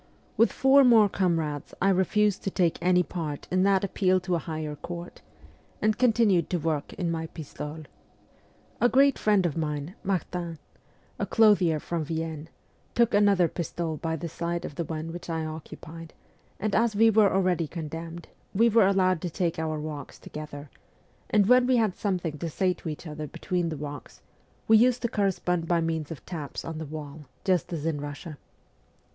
With four more comrades I refused to take any part in that appeal to a higher court, and continued to work in my pistole. A great friend of mine, Martin a clothier from Vienne took another pistole by the side of the one which I occupied, and as we were already con demned, we were allowed to take our walks together ; and when we had something to say to each other between the walks, we used to correspond by means of taps on the wall, just as in Russia.